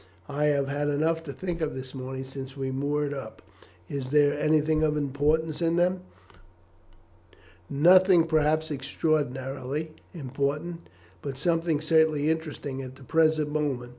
I have had enough to think of this morning since we moored up. Is there anything of importance in them?" "Nothing perhaps extraordinarily important, but something certainly interesting at the present moment.